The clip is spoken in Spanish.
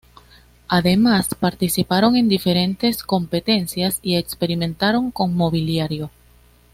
Además participaron en diferentes competencias y experimentaron con mobiliario.